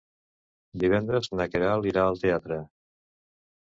Divendres na Queralt anirà al teatre.